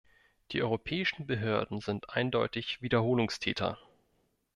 Die europäischen Behörden sind eindeutig Wiederholungstäter.